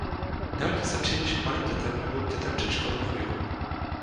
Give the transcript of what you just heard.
Nehodí se příliš k malým dětem nebo k dětem předškolního věku.